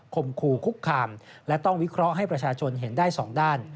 คมคู่คุกคามและต้องวิเคราะห์ให้ประชาชนเห็นได้สองด้าน